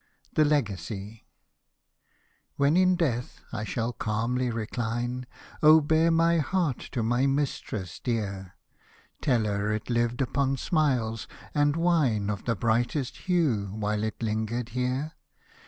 THE LEGACY When in death I shall calmly recline, Oh bear my heart to my mistress dear ; Tell her it lived upon smiles and wine Of the brightest hue, while it lingered here.